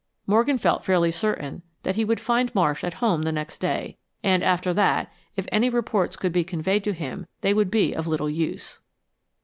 Morgan felt fairly certain that he would find Marsh at home the next day, and after that, if any reports could be conveyed to him, they would be of little use.